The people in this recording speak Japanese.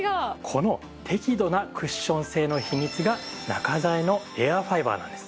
この適度なクッション性の秘密が中材のエアファイバーなんです。